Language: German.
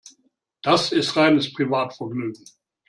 Das ist reines Privatvergnügen.